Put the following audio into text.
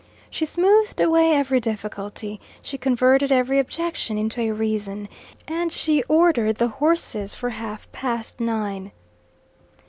She smoothed away every difficulty, she converted every objection into a reason, and she ordered the horses for half past nine.